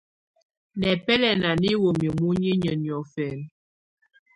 Nɛ̀bɛlɛnà nɛ̀ wamɛ̀á muninyǝ́ niɔ̀fɛna.